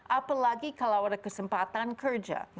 apalagi kalau ada kesempatan kerja